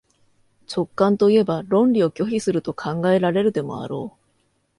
直観といえば論理を拒否すると考えられるでもあろう。